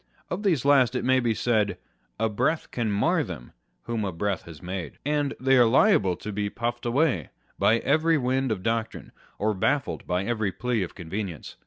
Of these last it may be said, A breath can mar them, whom a breath has made: and they are liable to be puffed away by every wind of doctrine, or baffled by every plea of convenience.